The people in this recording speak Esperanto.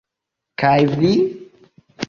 Kaj vi?